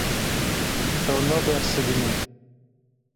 Ew nabersivînin.